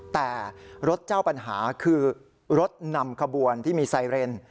แต่รถเจ้าปัญหาคือรถนำขบวนที่มีไซเรน